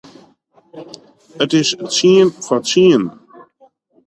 It is tsien foar tsienen.